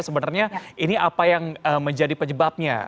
sebenarnya ini apa yang menjadi penyebabnya